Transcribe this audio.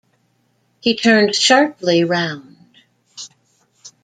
He turned sharply round.